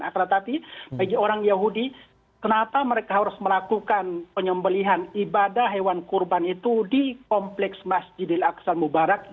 akuratati bagi orang yahudi kenapa mereka harus melakukan penyembelihan ibadah hewan kurban itu di kompleks masjidil aqsa mubarak